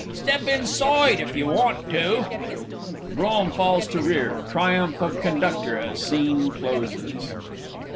step insoide, if yer want to! [Brougham falls to rear triumph of CONDUCTOR as Scene closes.